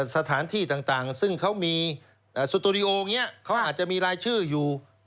สถานที่ต่างเช่นสตูดิโอนะเขาอาจจะมีรายชื่ออยู่